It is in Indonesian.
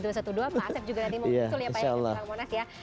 pak asep juga tadi mengusul ya pak ya yang di pulau monas ya